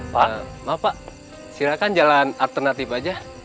maaf pak silakan jalan alternatif aja